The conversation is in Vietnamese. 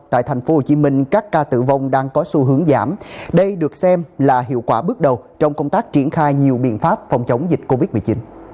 tại tp hcm các ca tử vong đang có xu hướng giảm đây được xem là hiệu quả bước đầu trong công tác triển khai nhiều biện pháp phòng chống dịch covid một mươi chín